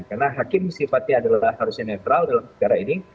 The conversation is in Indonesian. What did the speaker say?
karena hakim sifatnya adalah harusnya netral dalam perkara ini